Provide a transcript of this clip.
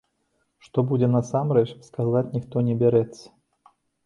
Што будзе насамрэч, сказаць ніхто не бярэцца.